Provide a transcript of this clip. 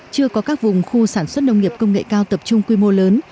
chưa có các vùng khu sản xuất nông nghiệp công nghệ cao tập trung quy mô lớn